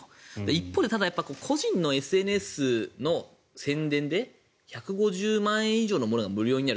一方で個人のＳＮＳの宣伝で１５０万円以上のものが無料になる。